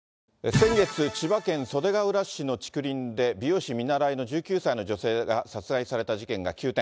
先月、千葉県袖ケ浦市の竹林で美容師見習いの１９歳の女性が殺害された事件が急転。